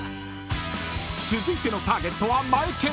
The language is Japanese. ［続いてのターゲットはマエケン］